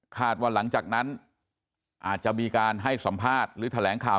ว่าหลังจากนั้นอาจจะมีการให้สัมภาษณ์หรือแถลงข่าว